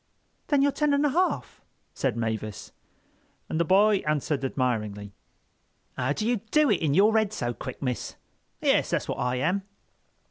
"Then you're ten and a half," said Mavis. And the boy answered admiringly: "How do you do it in your head so quick, miss? Yes, that's what I am."